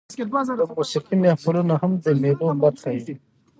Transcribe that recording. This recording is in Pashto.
د موسیقۍ محفلونه هم د مېلو برخه يي.